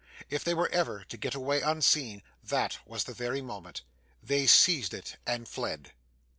If they were ever to get away unseen, that was the very moment. They seized it, and fled.